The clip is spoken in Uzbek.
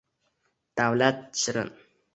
Davlat shirin